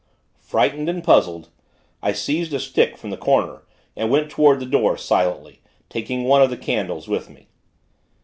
Frightened, and puzzled, I seized a stick from the corner, and went toward the door, silently; taking one of the candles with me.